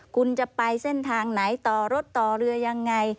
คุณจะไปเส้นทางไหนต่อรถต่อเรือยังไง